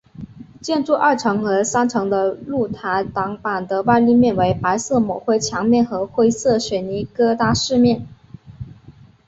建筑二层和三层的露台栏板的外立面为白色抹灰墙面和灰色水泥疙瘩饰面。